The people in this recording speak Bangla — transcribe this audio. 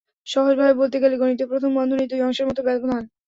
সহজ ভাবে বলতে গেলে, গণিতে প্রথম বন্ধনীর দুই অংশের মতো ব্যবধান।